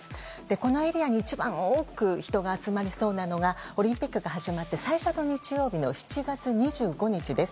このエリアに一番多く人が集まりそうなのがオリンピックが始まって最初の日曜日の７月２５日です。